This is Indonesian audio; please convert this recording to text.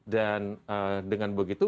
dan dengan begitu